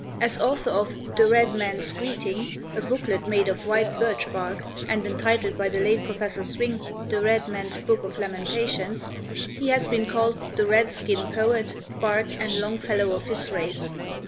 As author of "The Red Man's Greeting," a booklet made of white birch bark and entitled by the late Prof. Swing, "The Red Man's Book of Lamentations," he has been called the "Red skin poet, bard, and Longfellow of his race."